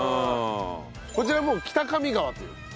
こちらは北上川という。